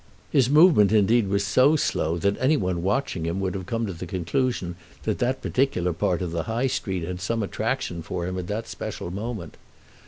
His movement, indeed, was so slow that any one watching him would have come to the conclusion that that particular part of the High Street had some attraction for him at that special moment.